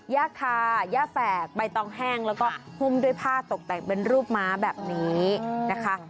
ย่าคาย่าแฝกใบตองแห้งแล้วก็หุ้มด้วยผ้าตกแต่งเป็นรูปม้าแบบนี้นะคะ